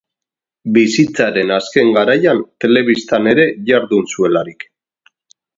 Bizitzaren azken garaian telebistan ere jardun zuelarik.